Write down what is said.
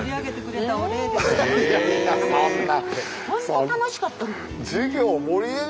いやいやそんな。